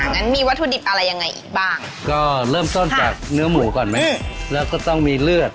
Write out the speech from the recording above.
งั้นมีวัตถุดิบอะไรยังไงอีกบ้างก็เริ่มต้นจากเนื้อหมูก่อนไหมแล้วก็ต้องมีเลือด